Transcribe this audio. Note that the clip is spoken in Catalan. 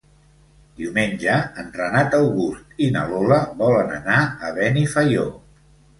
Diumenge en Renat August i na Lola volen anar a Benifaió.